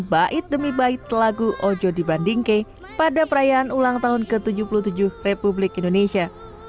bait demi bait lagu ojo di bandingke pada perayaan ulang tahun ke tujuh puluh tujuh republik indonesia